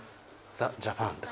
ザ・ジャパン。